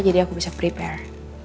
jadi aku bisa prepare